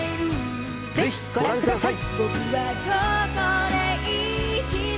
ぜひご覧ください。